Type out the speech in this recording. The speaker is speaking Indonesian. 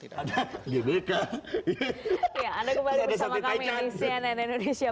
tidak ada di mereka iya ada kembali bersama kami di cnn indonesia